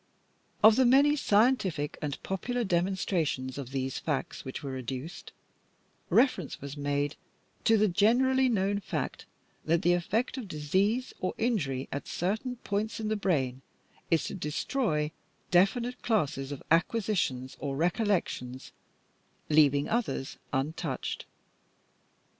Of the many scientific and popular demonstrations of these facts which were adduced, reference was made to the generally known fact that the effect of disease or injury at certain points in the brain is to destroy definite classes of acquisitions or recollections, leaving others untouched.